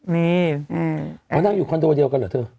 มีมานั่งอยู่คอนโดเดียวกันเหรอเธอ